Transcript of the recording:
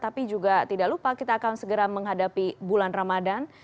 tapi juga tidak lupa kita akan segera menghadapi bulan ramadan